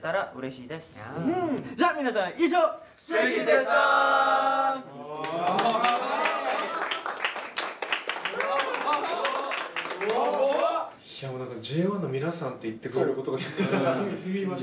いやもう何かＪＯ１の皆さんって言ってくれることが。